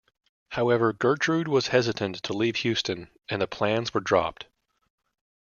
However, Gertrude was hesitant to leave Houston, and the plans were dropped.